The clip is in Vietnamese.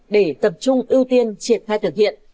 để tập trung ưu tiên triệt thai thực hiện